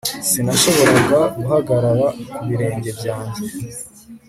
sinashoboraga guhagarara ku birenge byanjye